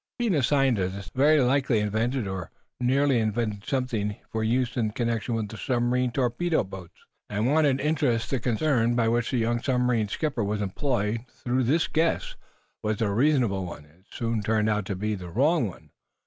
Being a scientist, the Professor had very likely invented, or nearly invented something intended for use in connection with submarine torpedo boats, and wanted to interest the concern by which the young submarine skipper was employed. Though this guess was a reasonable one, it soon turned out to be the wrong one.